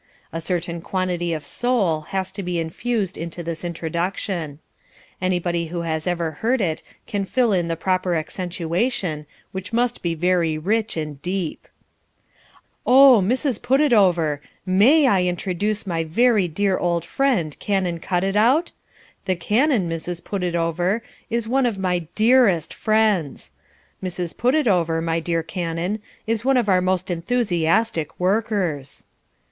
A certain quantity of soul has to be infused into this introduction. Anybody who has ever heard it can fill in the proper accentuation, which must be very rich and deep. "Oh, Mrs. Putitover, MAY I introduce my very dear old friend, Canon Cutitout? The Canon, Mrs. Putitover, is one of my DEAREST friends. Mrs. Putitover, my dear Canon, is quite one of our most enthusiastic workers."